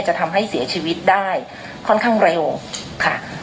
จะทำให้เสียชีวิตได้ค่อนข้างเร็วค่ะ